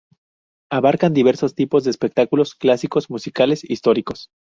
Abarcan diversos tipos de espectáculos, clásicos, musicales, históricos.